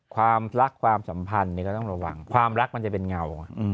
ความรักความสัมพันธ์ก็ต้องระวังความรักมันจะเป็นเงา